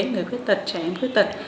người khuyết tật trẻ em khuyết tật